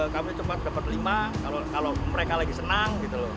kami cepat dapat lima kalau mereka lagi senang gitu loh